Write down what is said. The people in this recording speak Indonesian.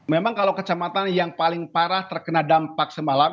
memang kalau kecamatan yang paling parah terkena dampak semalam